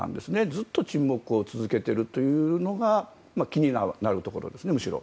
ずっと沈黙を続けているのが気になるところですね。